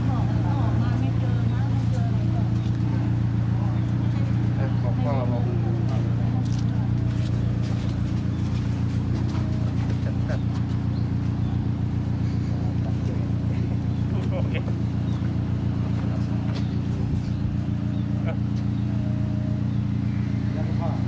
โอเค